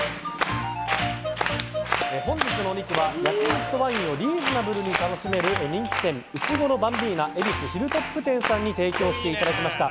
本日のお肉は、焼肉とワインをリーズナブルに楽しめる人気店うしごろバンビーナ恵比寿ヒルトップ店さんに提供していただきました。